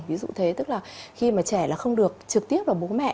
ví dụ thế tức là khi mà trẻ là không được trực tiếp vào bố mẹ